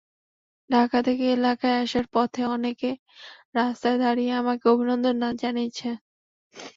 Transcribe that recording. ঢাকা থেকে এলাকায় আসার পথে অনেকে রাস্তায় দাঁড়িয়ে থেকে আমাকে অভিনন্দন জানিয়েছেন।